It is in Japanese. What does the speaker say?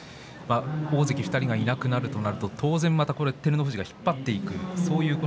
大関２人がいなくなるとなると当然、照ノ富士が引っ張っていく。